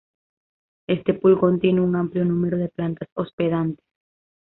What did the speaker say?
Este pulgón tiene un amplio número de plantas hospedantes.